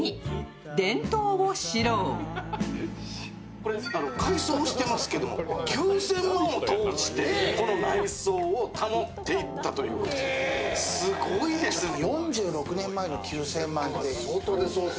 これ改装してますけど、９０００万円を投じてこの内装を保っていったという、すごいですね。